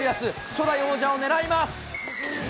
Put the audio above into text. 初代王者を狙います。